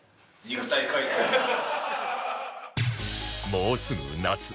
もうすぐ夏